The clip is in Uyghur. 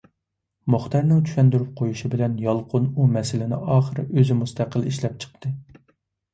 مۇختەرنىڭ چۈشەندۈرۈپ قويۇشى بىلەن يالقۇن ئۇ مەسىلىنى ئاخىر ئۆزى مۇستەقىل ئىشلەپ چىقتى.